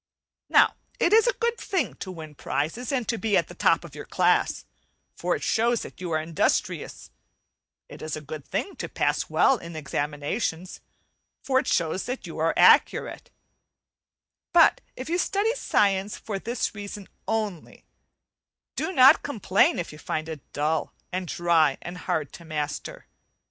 Now it is a good thing to win prizes and be at the top of your class, for it shows that you are industrious; it is a good thing to pass well in examinations , for it show that you are accurate; but if you study science for this reason only, do not complain if you find it full, and dry, and hard to master.